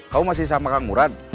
kamu masih sama kang murad